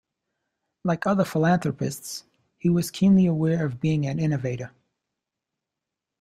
Like the other philanthropists, he was keenly aware of being an innovator.